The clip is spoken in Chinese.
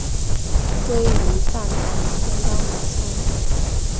鲑鱼饭团明天当早餐